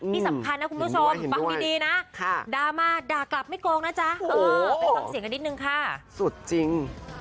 ที่สำคัญนะคุณผู้ชมฟังดีนะดราม่าด่ากลับไม่โกงนะจ๊ะไปฟังเสียงกันนิดนึงค่ะสุดจริง